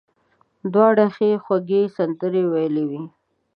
دواړو ښې خوږې سندرې ویلې وې.